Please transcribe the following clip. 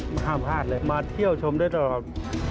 ห้ามพลาดเลยมาเที่ยวชมได้ตลอด